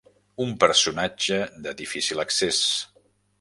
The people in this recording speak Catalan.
Un personatge de difícil accés.